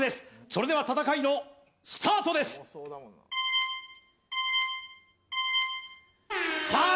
それでは戦いのスタートですさあ